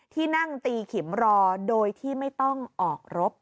ที่นั่งตีขิมรอโดยที่ไม่ต้องออกรบ